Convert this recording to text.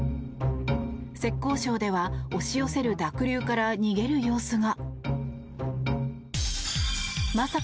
浙江省では押し寄せる濁流から逃げる様子が。